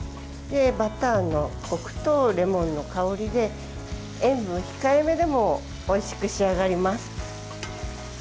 バターのこくと、レモンの香りで塩分控えめでもおいしく仕上がります。